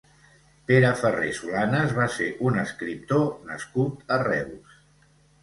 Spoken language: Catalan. Pere Ferré Solanes va ser un escriptor nascut a Reus.